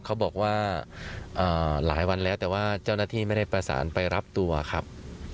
เขาบอกว่าหลายวันแล้วแต่ว่าเจ้าหน้าที่ไม่ได้ประสานไปรับตัวครับ